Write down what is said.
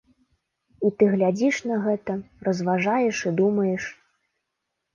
І ты глядзіш на гэта, разважаеш і думаеш.